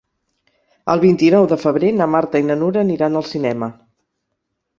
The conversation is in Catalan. El vint-i-nou de febrer na Marta i na Nura aniran al cinema.